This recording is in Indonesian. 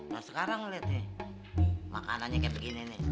nah sekarang ngeliat nih makanannya kayak begini nih